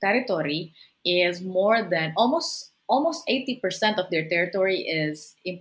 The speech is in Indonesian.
teritori mereka adalah ekonomi penting